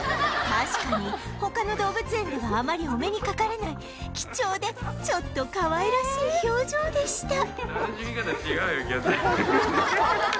確かに他の動物園ではあまりお目にかかれない貴重でちょっとかわいらしい表情でした